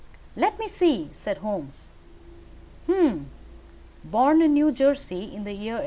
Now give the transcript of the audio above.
"Let me see!" said Holmes. "Hum! Born in New Jersey in the year 1858.